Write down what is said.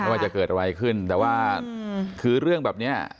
ว่าจะเกิดอะไรขึ้นแต่ว่าคือเรื่องแบบเนี้ย